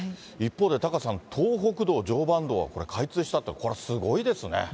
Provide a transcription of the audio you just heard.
一方でタカさん、東北道、常磐道はこれ開通したと、これ、すごいですね。